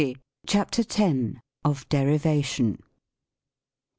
¥y:'M;: CHAPTER X. OF DERIVATION.